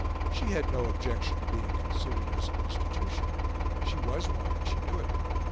She had no objection to being considered as an institution; she was one, and she knew it.